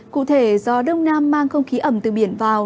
cụ thể gió đông nam mang không khí ẩm từ biển vào